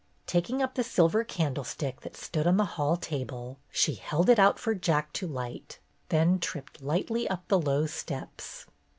Taking up the silver candlestick that stood on tjie hall table, she held it out for Jack to light, then tripped lightly up the low steps.